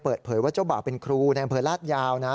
เปิดเผยว่าเจ้าบ่าวเป็นครูในอำเภอลาดยาวนะ